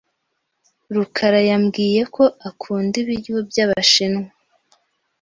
rukarayambwiye ko akunda ibiryo by'Abashinwa.